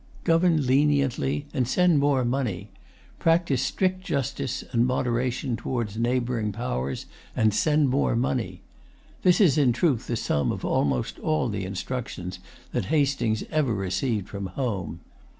"Govern leniently, and send more money; practise strict justice and moderation towards neighboring powers, and send more money;" this is in truth the sum of almost all the instructions that Hastings ever received from home.